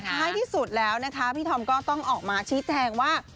ท้ายที่สุดแล้วนะคะพี่ธอมก็ต้องออกมาชี้แจงว่า